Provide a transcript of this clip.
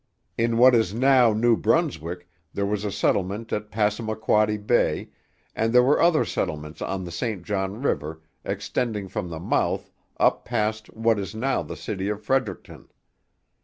In what is now New Brunswick there was a settlement at Passamaquoddy Bay, and there were other settlements on the St John river extending from the mouth up past what is now the city of Fredericton.